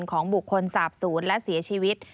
ของบุคคลสาบศูนย์และเสียชีวิต